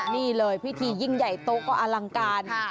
นี่เลยพิธียิ่งใหญ่โต๊ะก็อลังการ